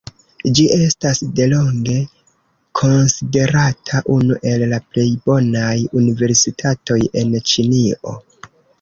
Ĝi estas delonge konsiderata unu el la plej bonaj universitatoj en Ĉinio.